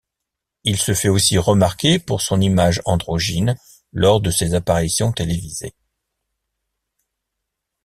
Il se fait aussi remarquer pour son image androgyne lors de ses apparitions télévisées.